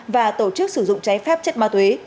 và tổ chức sử dụng cháy phép chất ma tuế